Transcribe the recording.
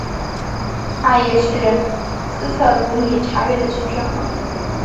他也是斯特鲁米察区的区长。